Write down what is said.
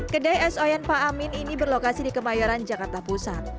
kedai es oyen pak amin ini berlokasi di kemayoran jakarta pusat